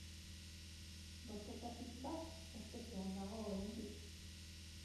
Bostetatik bat espetxean dago oraindik.